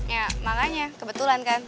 ya makanya kebetulan kan